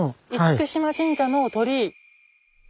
嚴島神社の鳥居。